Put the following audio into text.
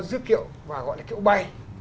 dứt kiệu và gọi là kiệu bay